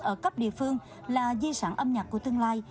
ở cấp địa phương là di sản âm nhạc của tương lai